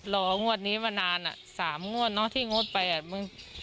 รองวดนี้มานานอ่ะสามงวดเนอะที่งดไปอ่ะมึง